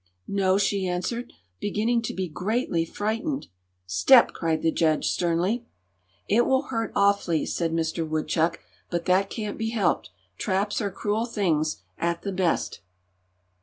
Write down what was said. "No," she answered, beginning to be greatly frightened. "Step!" cried the judge, sternly. "It will hurt awfully," said Mister Woodchuck; "but that can't be helped. Traps are cruel things, at the best."